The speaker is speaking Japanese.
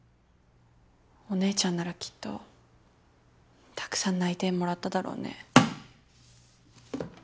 お姉ちゃんならきっとたくさん内定もらっただろうね。